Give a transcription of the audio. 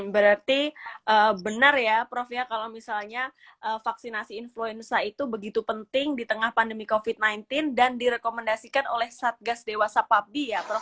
berarti benar ya prof ya kalau misalnya vaksinasi influenza itu begitu penting di tengah pandemi covid sembilan belas dan direkomendasikan oleh satgas dewasa pabdi ya prof